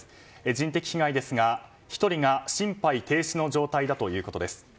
人的被害ですが１人が心肺停止の状態だということです。